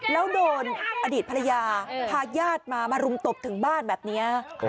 แล้วโดนอดีตภรรยาพาญาติมามารุมตบถึงบ้านแบบนี้